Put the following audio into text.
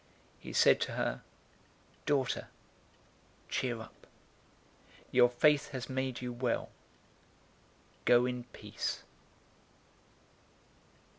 008:048 He said to her, "Daughter, cheer up. Your faith has made you well. Go in peace."